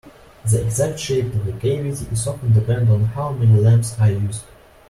The exact shape of the cavity is often dependent on how many lamps are used.